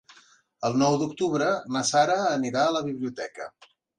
El nou d'octubre na Sara anirà a la biblioteca.